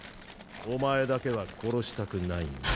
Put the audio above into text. お前だけは殺したくないんだ。